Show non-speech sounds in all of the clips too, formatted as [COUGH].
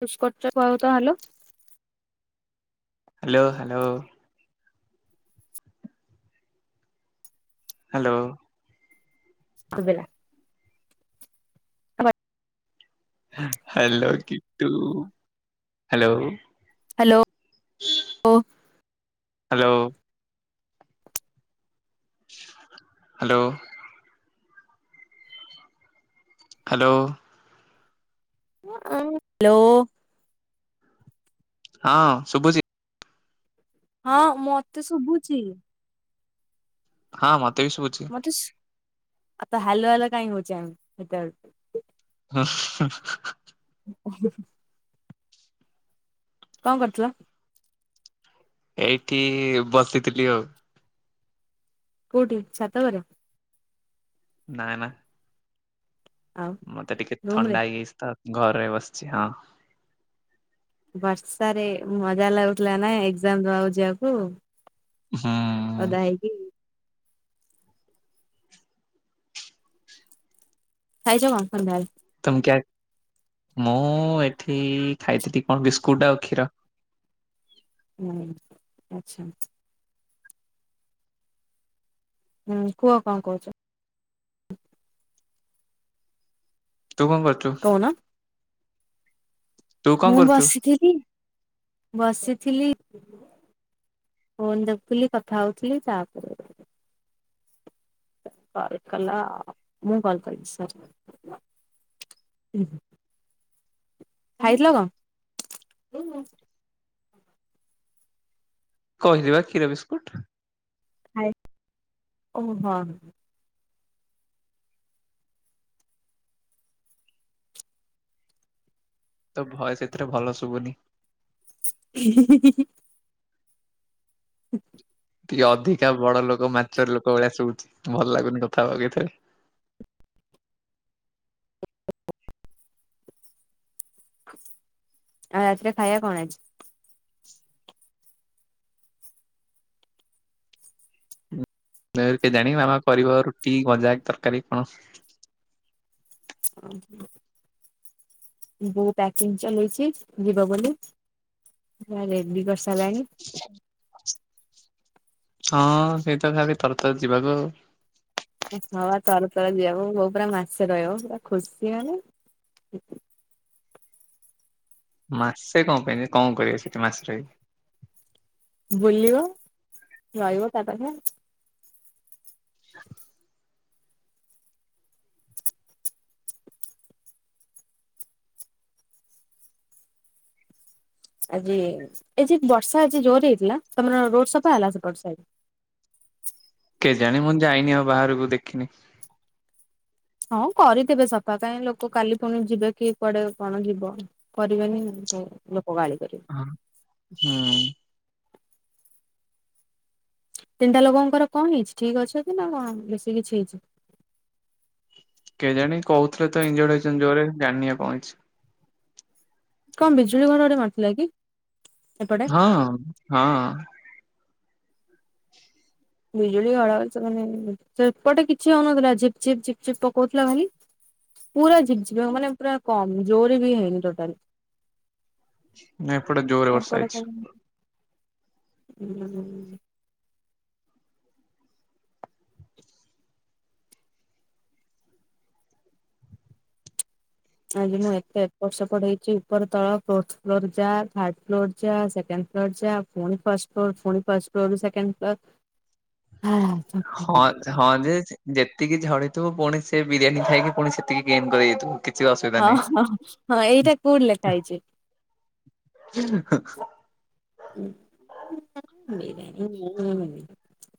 [UNINTELLIGIBLE] Hello. Hello hello. Hello. କୁବେଲା। [INAUDIBLE] Hello କିଟୁ hello. Hello. Hello. Hello. Hello. Hello. ହଁ ଶୁଭୁଛିି। ହଁ ମତେ ଶୁଭୁଛି। ହଁ ମତେ ବି ଶୁଭୁଛି। ତ ହାଲୋ ହାଲୋ କାହିଁ ହଉଚେ ଆମେ ସେତେବେଳଠୁ। ହଁ-ହିଁ-ହିଁ। କଣ କରୁଥିଲ? ଏଇଠି ବସିଥିଲି ଆଉ। କୋଉଠି ଛାତ ଘରେ? ନା ନା। ଆଉ ମତେ ଟିକେ ରୁମ ରେ ଥଣ୍ଡା ହେଇଯାଇଛି ତ ଘରେ ବସିଛି ହଁ। ବର୍ଷାରେ ମଜା ଲାଗୁଥିଲା ନା ଏକ୍ଜାମ ଦବାକୁ ଯିବାକୁ। ହୁଁ। ଓଦା ହେଇକି। ଖାଇଛ କଣ ସନ୍ଧ୍ୟାବେଳେ? ତମ କ୍ୟା ମୁଁ ଏଠି ଖାଇଥିଲି କଣ ବିସ୍କୁଟ ଆଉ କ୍ଷୀର। ହୁଁ ଆଚ୍ଛା। ହୁଁ କୁହ କଣ କହୁଛ? ତୁ କଣ କରୁ କହୁନ। ତୁ କଣ ମୁଁ କରୁଛୁ? ବସିଥିଲି। ବସିଥିଲି। ଫୋନ ଦେଖୁଥିଲି କଥା ହଉଥିଲି ତାପରେ, କଲ୍ କଲ ମୁଁ କଲ କରିଚି ସରି। ଖାଇଥିଲ କଣ? କହିଲିବା କ୍ଷୀର ବିସ୍କୁଟ। ଓ ହଁ ହଁ। ତୋ ଭଏସ୍ ଏଥିରେ ଭଲ ଶୁଭୁନି। ହି-ହି-ହି-ହି। ଟିକେ ଅଧିକା ବଡ ଲୋକ ମାଚର ଲୋକ ଭଳିଆ ଶୁଭୁଚି ଭଲ ଲାଗୁନି କଥା ହବାକୁ ଏଥିରେ। ଆଉ ରାତିରେ ଖାଇବା କଣ ହେଇଚି? କେଜାଣି ମାମା କରିବ ରୁଟି ଭଜା ତରକାରୀ କଣ। ବୋଉ ପ୍ୟାକିଙ୍ଗ ଚଲେଇଛି ଯିବ ବୋଲିି ପୁରା ରେଡି କରିସାରିଲାଣି। ହଁ ସେଇ ତ ଖାଲି ଥର ଥର ଯିବାକୁ ଆଉ। ହଁ ଆ ତର ତର ଯିଆକୁ ହୋଉ ପୁରା ମାସେ ରହିବ ପୁରା ଖୁସି ମାନେ ମାସେ କଣ ପାଇଁ କଣ କରିବେ ସେଠି ମାସେ ରହିକି? ବୁଲିବ ରହିବ ତା ପାଖେ। ଆଜି ଏ ଯେ ବର୍ଷା ଆଜି ଜୋରରେ ହେଇଥିଲା ତମର ରୋଡ ସଫା ହେଲା ସେପଟ ସାଇଟ୍? କେଜାଣି ମୁଁ ଯାଇନି ଆଉ ବାହାରକୁ ଦେଖିନି। ହଁ କରିଥିବେ ସଫା କାଇହିଁ ଲୋକ କାଲି ପୁଣି ଯିବେ କିଏ କୁଆଡେ କଣ ଯିବ। କରିବେନି ଲୋକ ଗାଳି କରିବେ। ହୁଁ। ତିନିଟା ଲୋକଙ୍କର କଣ ହେଇଛି ଠିକ ଅଛନ୍ତି ନା କଣ ବେଶୀ କିଛି ହେଇଛି? କେଜାଣି କହୁଥିଲେ ତ ଇଞ୍ଜୁର୍ଡ ହେଇଚନ୍ତି ଜୋରରେ ଜାନିନି ଆଉ କଣ ହେଇଚି, କଣ ବିଜୁଳି ଘଡଘଡି ମାରୁଥିଲା କି? ଏପଟେ ହଁ ହଁ। ବିଜୁଳି ଘଡଘଡି ସେମନୀ ସେପଟେ କିଛି ହଉନଥିଲା ଝିପ୍ ଝିପ୍ ଝିପ୍ ଝିପ୍ ପକଉଥିଲା ଖାଲି ପୁରା ଝିପ୍ ଝିପ୍ ମାନେ ପୁରା କମ ଜୋର ବି ହେଇନି ଟୋଟାଲି, ନଁ ଏପଟେ ଜୋରରେ ବର୍ଷା ଏପଟେ ହେଇଛି। ଖାଲି [INAUDIBLE] ଆଜି ମୁଁ ଏତେ ଏପଡ୍ ସେପଡ୍ ହେଇଚି ଉପର ତଳ ଫୋର୍ଥ ଫ୍ଲୋର ଯା, ଥାର୍ଡ ଫ୍ଲୋର ଯା, ସେକେଣ୍ଡ ଫ୍ଲୋର ଯା, ପୁଣି ଫାର୍ଷ୍ଟ ଫ୍ଲୋର ପୁଣି ଫାର୍ଷ୍ଟ ଫ୍ଲୋର ରୁ ସେକେଣ୍ଡ ଫ୍ଲୋର, ହା ହ ଥକିଗଲି ପୁରା। ହଁ ଯେ ଯେତିକି ଝଡିଥିବୁ ପୁଣି ସେ ବିରିୟାନୀ ଖାଇକି ପୁଣି ସେତିକି ଗେନ୍ କରିଦେଇଥିବୁ। ହଁ ହ ହଁ ଏଇଟା କୋଉଠି ଲେଖା ହେଇଛି? [INAUDIBLE] [INAUDIBLE]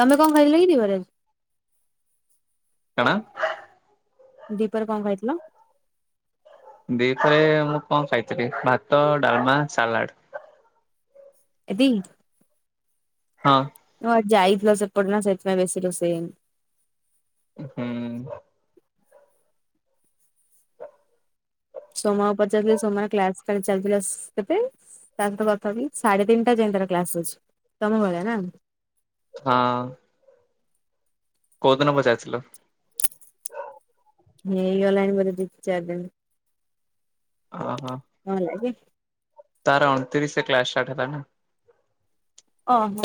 ତମେ କଣ ଖାଇଲକିି ଦିଇପହରେ? କାଣ? ଦି ପହରେ କଣ ଖାଇଥିଲ? ଦି ପହରେ ମୁଁ କଣ ଖାଇଥିଲି ଭାତ, ଡାଲମା, ସାଲାଡ୍। ଏତିକି? ହଁ। ହଁ ଆଜି ଯାଇଥିଲ ସେପଟେ ନା ସେଇଥିପାଇଁ ବେଶୀ ରୋଷେଇ ହେଇନି। ହୁଁ। ସୋମା କୁ ପଚାରୁଥିଲି ସୋମ ର କ୍ଲାସ୍ ଚାଲିଥିଲା [UNINTELLIGIBLE] ତା ସହିତ କଥା ହଉଥିଲି ସାଢେ ତିନିଟା ଯାଏଁ ତାର କ୍ଲାସ୍ ଅଛି, ତମ ଭଳିଆ ନା? ହଁ। କୋଉଦିନ ପଚାରିଥିଲ? ହେଇଗଲାଣି ବୋଧେ ଦି ଚାରି ଦିନ୍। ଓହୋ। କଣ ହେଲା କି? ତାର ଅଣତିରିଶ ରେ କ୍ଲାସ୍ ଷ୍ଟାର୍ଟ ହେଲା ନା। ଓହୋ।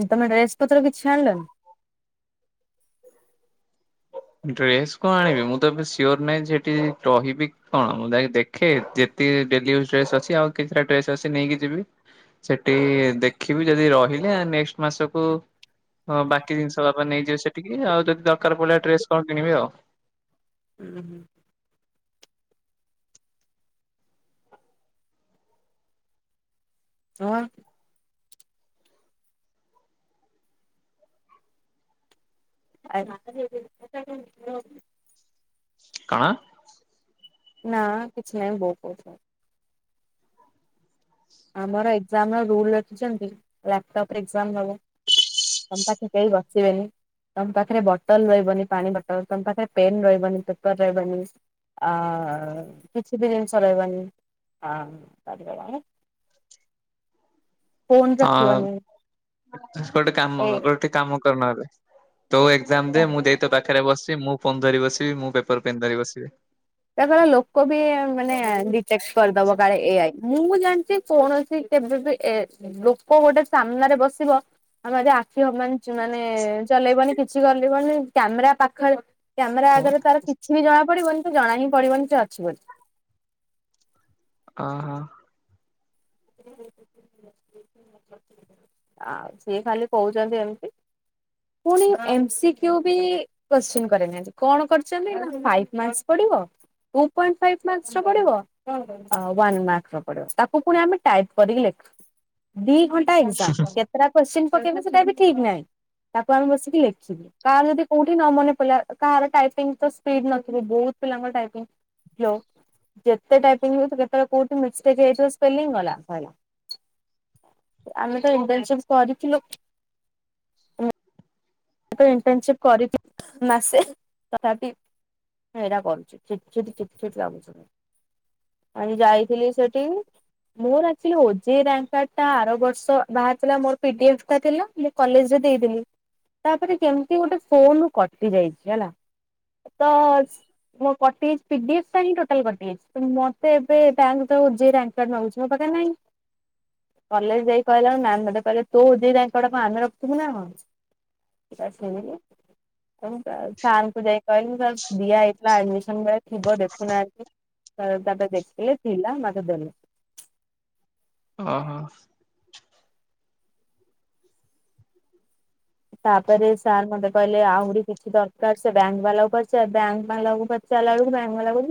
ଉଁ ତମେ ଡ୍ରେସ୍ ପତ୍ର କିଛି ଆଣିଲନି? ଡ୍ରେସ୍ କଣ ଆଣିବି ମୁଁ ତ ଏବେ ସିଓର୍ ନାହିଁ ଯେ ଏଠି ରହିବି କଣ ମୁଁ ଯାଇକି ଦେଖେ ଯେତିକି ଡେଲିଇଉଜ୍ ଡ୍ରେସ୍ ଅଛି ଆଉ କିଛିଟା ଡ୍ରେସ ଅଛି ନେଇକି ଯିବି। ସେଠି ଦେଖିବି ଯଦି ରହିଲେ ନେକ୍ସଟ୍ ମାସକୁ ହଁ ବାକି ଜିନିଷ ବାପା ନେଇଯିବେ ସେଠିକି, ଆଉ ଯଦି ଦରକାର ପଡିଲା ଡ୍ରେସ୍ କଣ କିଣିବି ଆଉ। ହୁଁ-ହୁଁ। [UNINTELLIGIBLE] [UNINTELLIGIBLE] କଣ? ନା କିଛି ନାଇଁ ବୋଉ କହୁଥିଲା। ଆମର ଏକ୍ଜାମ ର ରୁଲ ରଖିଛନ୍ତି ଲାପଟପ୍ ରେ ଏକ୍ଜାମ ହବ। ତମ୍ ପାଖେ କେହି ବସିବେନି। ତମ୍ ପାଖେରେ ବଟଲ୍ ରହିବନି ପାଣି ବଟଲ୍, ତମ୍ ପାଖରେ ପେନ୍ ରହିବନି ପେପର୍ ରହିବନି। ଆଉ କିଛି ବି ଜିନିଷ ରହିବନି [UNINTELLIGIBLE] ଫୋନ ରଖିବନି ହଁ ଗୋଟେ କାମ ଏ କର କାମ କର ନହେଲେ ତୋ ଏକ୍ଜାମ ଦେ ମୁଁ ଦେଇ ତୋ ପା ପାଖରେ ବସି ମୁଁ ଫୋନ୍ ଧରି ବସିବି ମୁଁ ପେପର ପେନ୍ ଧରି ବସିବି। ତା ଦ୍ଵାରା ଲୋକ ବି ମାନେ ଡିଟେକ୍ଟ କରିଦବ କାଳେ ଏ ଆଇ ମୁଁ ଜାଣିଚି କୌଣସି କେବେ ବି ଏ ଲୋକ ଗୋଟେ ସାମ୍ନାରେ ବସିବ ଆମ ଯଦି ଆଖି ହବାନ କିଛି ମାନେ ଚଲେଇବନି କିଛି ଗଲେଇବନି କ୍ୟାମେରା ପାଖରେ କ୍ୟାମେରା ଆଗରେ ଫୋନ୍ ତାର କି ଛି ବି ଜଣାପଡିବନି ସେ ଜଣା ହିଁ ପଡିବନି ସେ ଅଛି ବୋଲି। ଓହୋ। ହ କେ ଆଉ ସିଏ ଖାଲି କହୁଛନ୍ତି ଏମ୍ତି। ପୁଣି ଏମ୍ ସି କ୍ୟୁ ବି କୋତ୍ସିନ୍ନ କରିନିହାନ୍ତି, କଣ କରିଚନ୍ତି ନା ଫଇପ୍ ମାର୍କସ୍ ପଡିବ ଟୁ ପଏଣ୍ଟ ଫାଇପ୍ ମାର୍କସ୍ ର ପଡ଼ିବ ଆଉ ୱାନ୍ ମାର୍କ ର ପଡିବ ତାକୁ ପୁଣି ଆମେ ଟାଇପ୍ କରିକି ଲେଖୁ। ଦି ଘଣ୍ଟା ଏକ୍ଜାମ୍ କେତେଟା କୋଶ୍ଚିନ୍ ପକେଇବେ ସେଟା ବି ଠିକ୍ ନାହିଁ, ତାକୁ ଆମେ ବସିକି ଲେଖିବୁ। କାହାର ଯଦି କୋଉଠି ନ ମନେ ପିଇଲା କାହାର ଟାଇପିଙ୍ଗ ତ ସ୍ପିଡ୍ ନଥିବ, ବହୁତ୍ ପିଲାଙ୍କର ଟାଇପିଙ୍ଗ [UNINTELLIGIBLE] ଯେତେ ଟାଇପିଙ୍ଗ୍ ହଉ କେତେବେଳେ କୋଉଠି ମିଷ୍ଟେକ୍ ହେଇଥିବ ସ୍ପେଲିଂ ଗଲା ସଇଲା। ଆମେ ତ ଇଣ୍ଟର୍ନସିପ କରିଥିଲୁ। ଇଣ୍ଟର୍ନସିପ୍ କରିଥିଲୁ ମାସେ ତଥାପି ହଁଇଟ କମଛିଛେଟ ଛୁଛେଟି ଛୁଟି ଲାଗୁଛି। ଆଜି ଯାଇଥିଲି ସେଠି ମୋରଚ ଓଙ୍କା ଆର ବର୍ଷ ବାହାରିଥିଲା ମୋର ପି ଡି ଏଫ୍ ଟା ଥିଲା। କଲେଜ ରେ ଦେଇଦଥିଲି। ତାପରେ କେମିତି ଗୋଟେ ଫୋନ କଟି ଯାଇଛି ହେଲା ତ ୋ କିଫ ହଁ ଟୋଟାଲ ମତେ ଏବେ ବଙ୍କଙ୍କଡ ମାଗୁଛି ମୋ ପାଖରେ ନାଇଁ କଲେଜ ଯାଇକହିଲା ମ୍ୟାାମୋେ କହେ ତୋ ଯାଇ ତାଙ୍କ କୁଡା ମେ ରିଥିବୁ ନା ସାନକୁ ଯାଇକ କହିଲି ସାର୍ ଦିଆ ହେଇଥିଲା ଆଡମିସନ ବେଳେ ଥିବ ଦେଖୁନାହାନ୍ତି। ତାଦ ଦେଖିଲେ ଥିଲା ମତେ ଦେଲେ। ହୁଁ ହ। ତାପରେ ସାର୍ ମତେ କହିଲେ ଆହୁରି କିଛି ଦରକାର ସେ ବ୍ୟାଙ୍କ ବାଲା କରିଛି ବ୍ୟାଙ୍କ ବାଲା ଚା ଲାଗୁ ବଙ୍ଗ ଲାଗୁ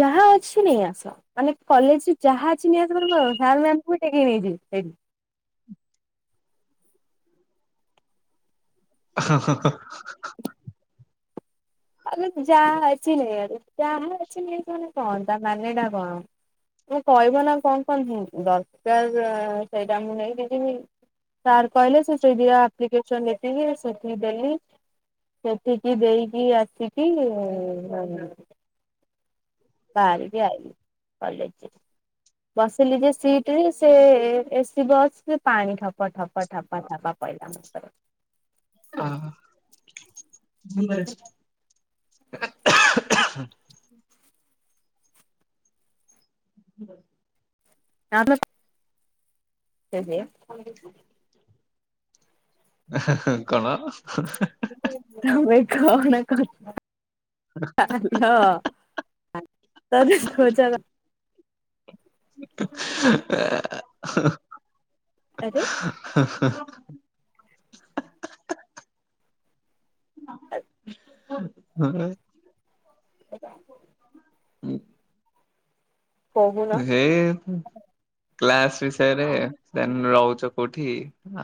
ଯାହା ଅଛି ନାାଇ ଆ ମାନେ କଲେଜ ଯାହା ଅଛି ନି ଆ କ ସ ମ ବି ଟେକେଇ ନେଇଛି ସେଇଠି ହ ଆଗ ଯାହା ଅଛି ନାଇ ଯାହା ଅଛି ନାଇଁ ସେମାନେେ କଣ ତା ମାନେଟା କଣ କହିବ ନା କଣ କଣ ଦରକାର ସେଇଟା ମୁଁ ନେଇକି ଯିବି ସାର୍ କହିଲେ ସେ ସେପ୍ଲିକସନ ଲି ସେଠି ଦେଲି ସେଠିକି ଦେଇକି ଆସିକି ବାାର ବି ଆଇ କଲେଜ ବସିଲି ଯେ ସିଟ ରେ ସେ ଏସି ବସ ପାଣି ଠପଠପଠପଠପା ପ ନମସ୍କାର ଆ ହୁଁ ଆ ସେଜ କଣ ତମେ କନା କଛ ଚା ତା ଖଚ ସପ ଆରେ ହଁ ହ ଆଜ୍ ହଁ। ହ। କହୁନ ହେ କ୍ଲାସ ବିଷୟରେ ରହୁଛ କୋଉଠି?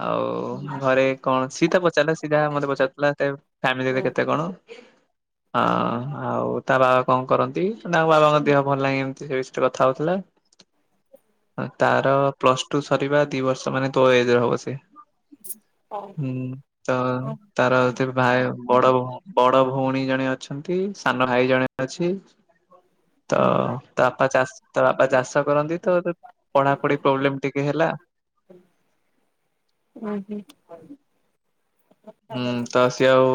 ଆଉ ଘରେ କଣ ସି ତା ପଚାରିଲା ସି ଯା ମତେ ପଚାରଥିଲା ସେ ଫାମିଲି ହୁଁ। କେତେ କଣ? ହ ହଁ ଆଉ ତା ବାବା କଣ କରନ୍ତି ତାଙ୍କ ବାବାଙ୍କ ଦେହ ଭଲ ଲାଗେ ଏମିତି ସେ ଥାଉଥିଲେ। ତାର ପ୍ଲସ ଟୁ ସରିବା ଦି ବର୍ଷ ମାନେ ତୋଳ ଏଜରେ ହବ ସେ ହୁଁ ତ ଉଁ ତାରଉ ଭାଇଉ ବଡଉ ବଡ ଭଉଣୀ ଜଣେ ଅଛନ୍ତି ସାନ ଭାଇ ଜଣେ ଅଛି। ତ ତା ବାପା ଚାଷ ବାପା ଚାଷ କରନ୍ତି ତ ପଢାପଢି ପ୍ରୋବ୍ଲେମ ଟିକେ ହେଲା। ଉୁଁ ହୁଁ। ହୁଁ ତ। ସିଏ ଆଉ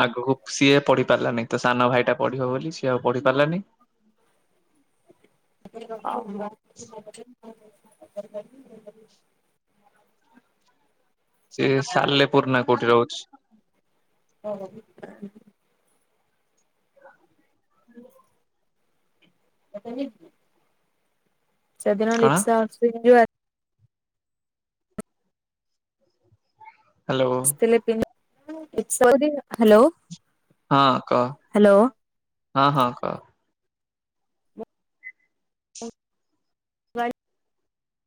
ଆଗକୁ ସିଏ ପଢି ପାରିଲାନି ତ ସାନ ଭାଇଟା ପଢିବ ବୋଲି ସିଏ ଆଉ ପଢି ପାରିଲାନି। [UNINTELLIGIBLE] ସେ ସାଲେ ପୁର ନା କୋଉଠି ରହୁଛି। [UNINTELLIGIBLE] [INAUDIBLE] ସେ ଦିନ କଣ ଲିପ୍ସା [UNINTELLIGIBLE] ହ୍ୟାଲୋ ଆସିଥିଲେ [UNINTELLIGIBLE] ହାଲୋ ହଁ କହ ହଁ ହଁ କହ।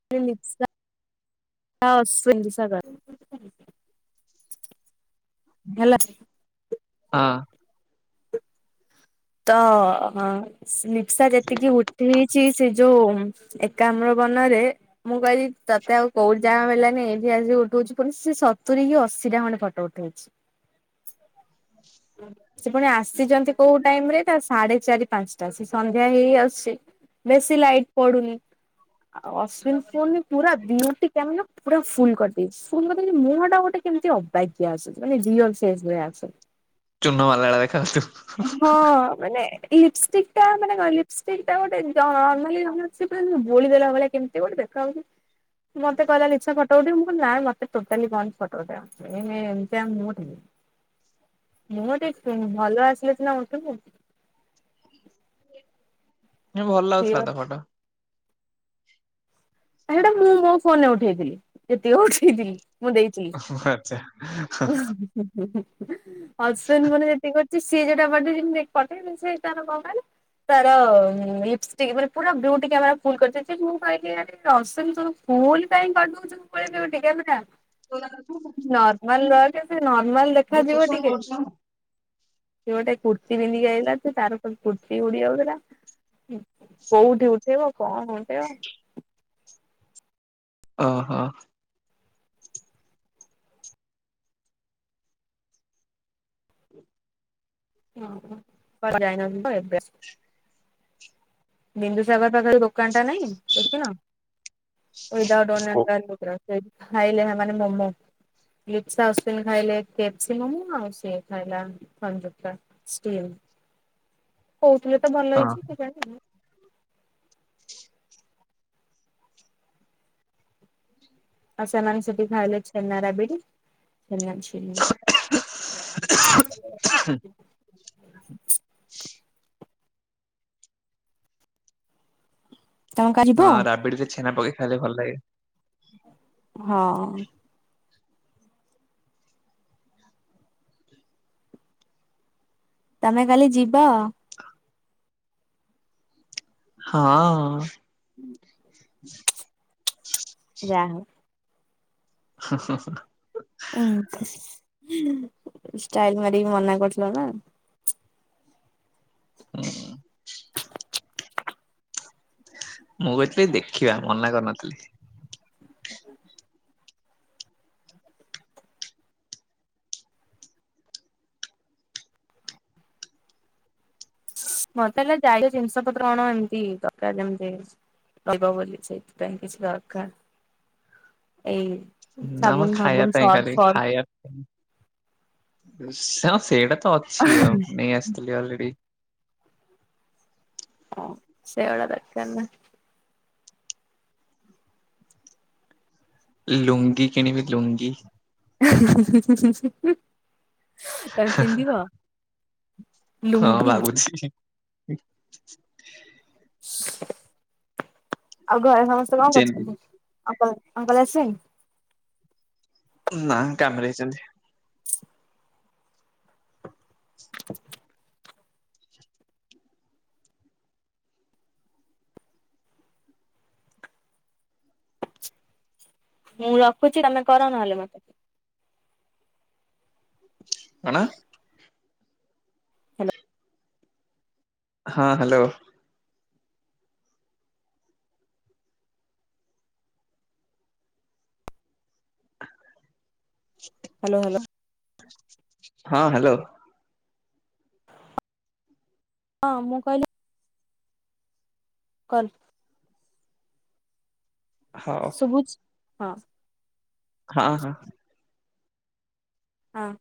[UNINTELLIGIBLE] ହଁ। ତ ଲିପ୍ସା ଯେତିକି ଉଠେଇଛି ସେ ଯୋଉ ଏକାମ୍ର ବନରେ ମୁଁ କହିଲି ତୋତେ ଆଉ କୋଉଠୀ ଜାଗା ମିଲାନି ଏଇଠି ଆସିକି ଉଠଉଚୁ ପୁଣି ସେ ସତୁରି କି ଅଶୀ ଟା ଖଣ୍ଡେ ଫଟୋ ଉଠେଇଛି। ସେ ପୁଣି ଆସିଛନ୍ତି କୋଉ ଟାଇମ ରେ ତା ସାଢେ ଚାରି ପାଞ୍ଚଟା ସେ ସନ୍ଧ୍ୟା ହେଇହେଇ ଆସୁଛି। ବେସି ଲାଇଟ ପଡ଼ୁନି। ଆଉ ଅଶ୍ଵିନ ଫୁନ୍ ପୁରା ବିୟୁଟି କାମେରା ପୁରା ଫୁଲ କରିଦେଇଚି ଫୁଲ କରିଦେଇଚି ମୁହଁ ଟା ଗୋଟେ କେମିତି ଅ ଅବାଗିଆ ଆସେ ମାନେ ରିଅଲ ଫେସ୍ ଭଳିଆ ଆସେ। ଚୁନ ମାଲା ଭଳିଆ ଦେଖାଉଛୁ। ହଁ ମାନେ ଲିପଷ୍ଟିକ୍ ଟା ମାନେ କଁ ଲିପଷ୍ଟିକ୍ ଟା ଗୋଟେ ନର୍ମାଲି ଆମର ସେ ପୁରା ବୁଳି ଦେଲା ଭଳିଆ କେମତି ମିତି ଗୋଟେ ଦେଖାହୋଉଚୁ ମତେ କହିଲା ଲିପ୍ସା ଫଟୋ ଉଠେଇବୁ ମୁ ନାଁ ମତେ ଟୋଟାଲି କନି ଫଟୋ ଉଠେଇବାକୁ। ଏମିତିଆ ମୁଁ ମୁଁ ଟିକେ ଭଲ ଆସ ଲେ ସିନା ଉଠିବୁ। ଭଲ ଲାଗୁଥିଲା ତ ସେଇଟା ଫଟୋ। ସେଇଟା ମୁଁ ମୋ ଫୋନରେ ଉଠେଇଥିଲି ଯେତିକ ଉଠେଇଥିଲି। ମୁଁ ଦେଇଥିଲି ଆଚ୍ଛା। [UNINTELLIGIBLE] ହସନି ମାନେ ଠିକ୍ କରୁଛି ସିଏ ଯୋଟା [UNINTELLIGIBLE] ତାର ଲିପସ ଟିକେ ମାନେ ପୁରା ଗ୍ଲୁ ଟୀକା ଫୁଲ କରିଦେଇଚି ମୁଁ କହିଲି ରସମ ତୁ ଫୁଲ କାଇଁ କରିଦଉଛୁ [UNINTELLIGIBLE] ନର୍ମାଲ ରହ ସେ ନର୍ମାଲ ଦେଖାଯିବ ଟିକେ। ସେ ଗୋଟେ କୁର୍ତ୍ତି ବିନ୍ଧି ଆଇଲା ତାର କୁର୍ତ୍ତି ଉଡି ଯାଉଥିଲା। କୋଉଠି ଉଠେଇବ କଣ ଉଠେଇବ। ଅ ହ। ଅ କୁଆଡେ଼ ଯାଇ ନଥିଲ ତ [UNINTELLIGIBLE] ବିନ୍ଦୁସାଗର ପାଖରେ ଦୋକାନ ଟା ନାଇଁ ଦେଖିନ କୋ [UNINTELLIGIBLE] ଖାଇଲେ ହେମାନେ ମୋମୋ। ଲିପ୍ସା ଅଶ୍ୱିନୀ ଖାଇଲେ କେପ୍ସି ମୋମୋ ଆଉ ସିଏ ଖାଇଲା ସଂଯୁକ୍ତା। ଷ୍ଟିମ୍। କହୁଥିଲେ ତ ଭଲ ହଁ ହେଇଛି କେଜାଣି। ଆଉ ସେମାନେସେଠି ଖାଇଲେ ଛେନା ରାବିଡି। ଛେନା ଝିଲି [UNINTELLIGIBLE] ତମେ କାଲି ଯିବ ହଁ ରାବିଡିରେ ଛେନା ପକେଇ ଖାଇଲେ ଭଲ ଲାଗେ। ହଁ। ତମେ କାଲି ଯିବ? ହଁ। ହୁଁ। ଯାଆ ହଉ। ହୁଁ ହୁଁ ହୁଁ। ଉଁ ଷ୍ଟାଇଲ ମାରିକି ମନା କରୁଥିଲ ନା। [INAUDIBLE] ମୁଁ କହିଥିଲି ଦେଖିବା ମନା କରିନଥିଲି। ମତେ ହେଲେ ଯାଇ ଜିନିଷ ପତ୍ର କଣ ଏମିତି ଦରକାର ଯେମତି ଲଗ ବୋଲି ସେଇଥି ପାଇଁ କିଛି ଦରକାର, ଏଇ ନା ମୁଁ ସାବୁନ ଖାଇବା ଫାବୁନ ପାଇଁ ସର୍ଫ ଖାଲି ଫର୍ଫ ଖାଇବା ସ ହଁ ସେଇଟା ତ ଅଛି, ଆଉ ନେଇ ଆସିଥିଲି ଅଲରେଡି। ଓ ସେବଳ ଦକାର ନାଇଁ। ଲୁଙ୍ଗି କିଣିବି ଲୁଙ୍ଗି। ଏ ହେଁ ହେଁ ହେଁ ହେଁ ହୁଁ। ତମେ ପିନ୍ଧିବ ଲୁଙ୍ଗି? ସି ହିଁ ହିଁ। ଆଉ ଘରେ ସମସ୍ତେ କଣ ଚେନ୍ କରୁଛନ୍ତି? [UNINTELLIGIBLE] ଅଙ୍କଲ ଆସିଲେଣି? ନା କାମରେ ହାଇଛନ୍ତି। [INAUDIBLE] ମୁଁ ରଖୁଛି ତମେ କର ନହେଲେ ମତେ। କଣ? ହାଲୋ। ହଁ ହାଲୋ। [INAUDIBLE] Hello hello. ହଁ ହାଲୋ। ହଁ ମୁଁ କହିଲି କଲ। ହଉ। ଶୁଭୁଛି ହଁ। ହଁ ହଁ। ହଁ।